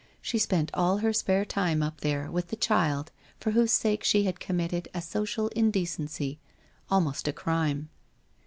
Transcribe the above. She spent all her spare time up there, with the child for whose sake she had committed a social indecency, almost a crime.